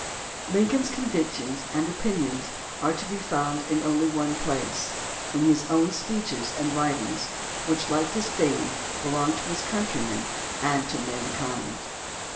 Lincoln's convic tions and opinions are to be found m only one place, in his own speeches and writings which, like his fame, belong to his countrymen and to mankind.